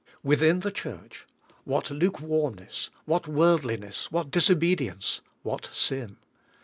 Within the Church what lukewarmness, what worldliness, what disobedience, what sin!